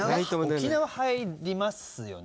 沖縄入りますよね？